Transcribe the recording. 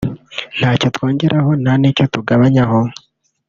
ntacyo twongeraho nta n’icyo tugabanyaho”